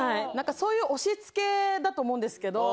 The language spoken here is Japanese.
そういう押し付けだと思うんですけど。